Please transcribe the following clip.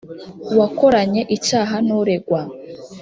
uwakoranye icyaha n’uregwa